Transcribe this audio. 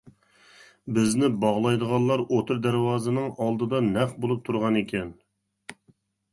بىزنى باغلايدىغانلار ئوتتۇرا دەرۋازىنىڭ ئالدىدا تەق بولۇپ تۇرغانىكەن.